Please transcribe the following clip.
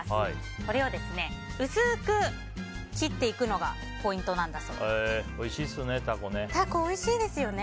これを薄く切っていくのがおいしいですよね。